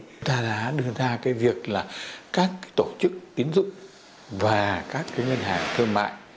chúng ta đã đưa ra cái việc là các cái tổ chức tín dụng và các cái ngân hàng thương mại